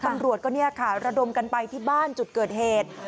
ตำรวจก็ระดมกันไปให้ที่บ้านจุดเกิดเหตุ